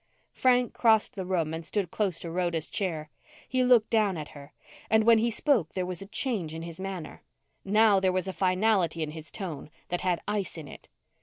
Frank crossed the room and stood close to Rhoda's chair. He looked down at her, and when he spoke there was a change in his manner. Now there was a finality in his tone that had ice in it.